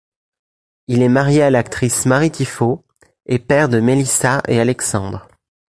Il est marié à l'actrice Marie Tifo et père de Mélissa et Alexandre.